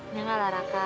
ya nggak lah raka